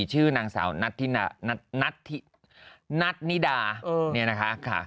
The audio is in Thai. ชื่อนางสาวนัทนิดา